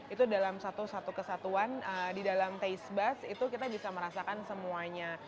itu dalam satu satu kesatuan di dalam taste bus itu kita bisa merasakan semuanya